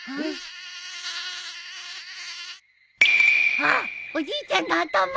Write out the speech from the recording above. あっおじいちゃんの頭に！